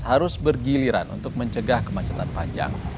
harus bergiliran untuk mencegah kemacetan panjang